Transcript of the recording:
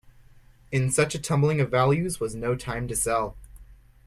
In such a tumbling of values was no time to sell.